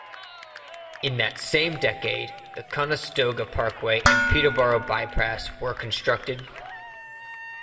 In that same decade, the Conestoga Parkway and Peterborough Bypass were constructed.